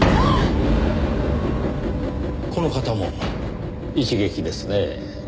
この方も一撃ですねぇ。